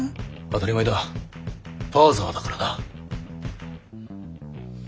当たり前だファーザーだからな。